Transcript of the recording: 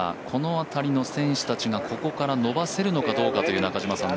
この辺りの選手たちがここから伸ばせるのかという。